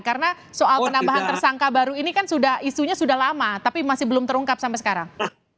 karena soal penambahan tersangka baru ini kan sudah isunya sudah lama tapi masih belum terungkap sampai sekarang